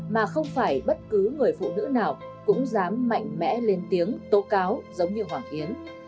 mà không phải bất cứ người phụ nữ nào cũng dám mạnh mẽ lên tiếng tố cáo giống như hoàng tiến